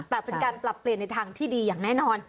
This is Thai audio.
แต่เป็นการปรับเปลี่ยนในทางที่ดีอย่างแน่นอน